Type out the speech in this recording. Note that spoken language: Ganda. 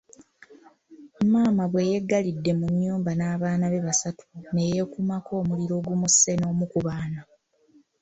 Maama bwe yeggalidde mu nnyumba n’abaana be basatu ne yeekumako omuliro ogumusse n’omu ku baana.